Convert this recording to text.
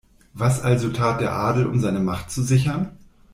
Was also tat der Adel, um seine Macht zu sichern?